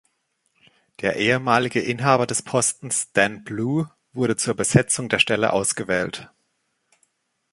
Der ehemalige Inhaber des Postens, Dan Blue, wurde zur Besetzung der Stelle ausgewählt.